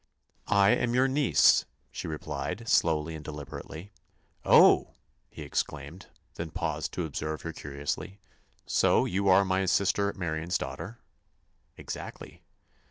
"I am your niece," she replied, slowly and deliberately. "Oh!" he exclaimed; then paused to observe her curiously. "So, you are my sister Marian's daughter." "Exactly."